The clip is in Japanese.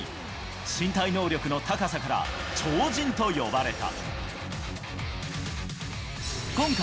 身体能力の高さから超人と呼ばれた。